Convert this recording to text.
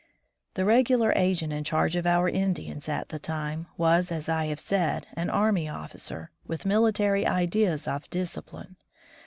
The regular agent in charge of our Indians at the time was, as I have said, an army officer, with military ideas of discipline.